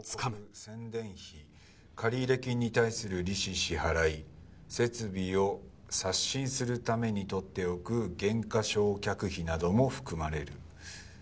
「広告・宣伝費借入金に対する利子支払い設備を刷新するために取っておく減価償却費なども含まれる」